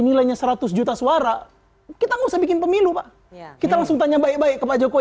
nilainya seratus juta suara kita nggak usah bikin pemilu pak kita langsung tanya baik baik ke pak jokowi